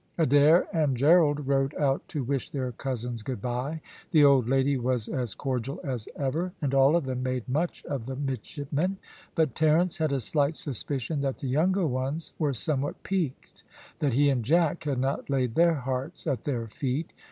Adair and Gerald rode out to wish their cousins good bye. The old lady was as cordial as ever, and all of them made much of the midshipmen; but Terence had a slight suspicion that the younger ones were somewhat piqued that he and Jack had not laid their hearts at their feet.